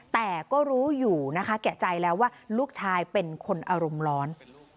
แต่ก็รู้อยู่นะคะแกะใจแล้วว่าลูกชายเป็นคนอารมณ์ร้อน